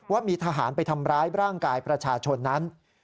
ว่ามีทหารไปทำร้ายร่างกายประชาชนนั้น